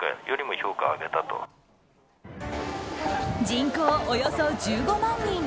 人口およそ１５万人。